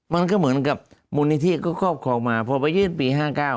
มันก็เหมือนกับมูลนิธิก็ครอบครองมาพอไปยื่นปี๕๙